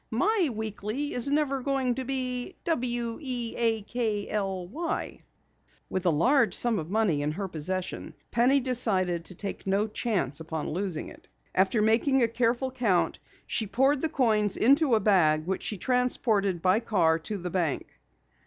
My Weekly isn't going to be weakly!" With a large sum of money in her possession, Penny decided to take no chance of losing it. After making a careful count, she poured the coins into a bag which she transported by car to the bank.